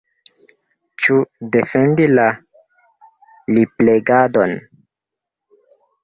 Ĉu defendi la liplegadon?